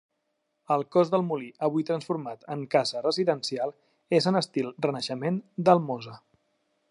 El cos del molí, avui transformat en casa residencial, és en estil renaixement del Mosa.